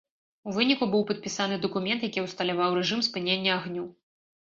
У выніку, быў падпісаны дакумент, які усталяваў рэжым спынення агню.